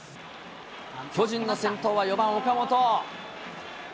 巨人の先頭は４番岡本。